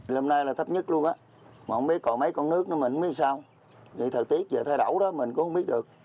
lâm nay là thấp nhất luôn á mà không biết còn mấy con nước nó mịn hay sao thời tiết giờ thay đổi đó mình cũng không biết được